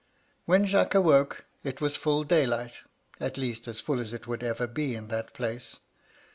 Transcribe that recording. " When Jacques awoke it was full daylight — at least as full as it would ever be in that place.